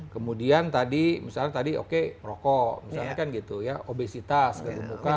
kemudian tadi misalnya tadi oke rokok misalnya kan gitu ya obesitas